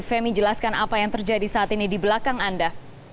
femi jelaskan apa yang terjadi saat ini di belakang anda